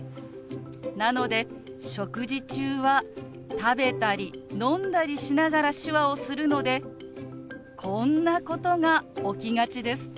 なので食事中は食べたり飲んだりしながら手話をするのでこんなことが起きがちです。